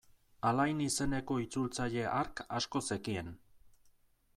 Alain izeneko itzultzaile hark asko zekien.